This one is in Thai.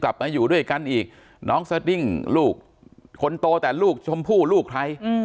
มาอยู่ด้วยกันอีกน้องสดิ้งลูกคนโตแต่ลูกชมพู่ลูกใคร